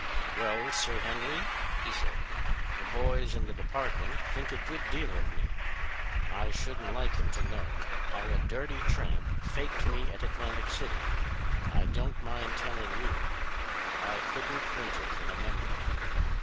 "Well, Sir Henry," he said, "the boys in the department think a good deal of me. I shouldn't like them to know how a dirty tramp faked me at Atlantic City. I don't mind telling you, but I couldn't print it in a memoir."